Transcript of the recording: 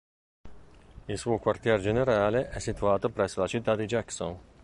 Il suo quartier generale è situato presso la citta di Jackson.